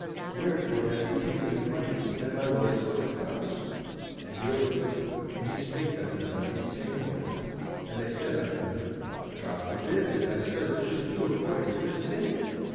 Wherefore have ye taken the money and my lord's silver cup?" And he overtook them, and he spake unto them these same words. And they said unto him, "God forbid that thy servants should do according to this thing!